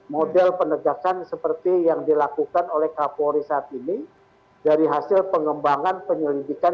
model penegakan seperti yang dilakukan oleh kapolri saat ini dari hasil pengembangan penyelidikan